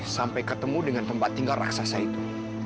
sampai ketemu dengan tempat tinggal raksasa itu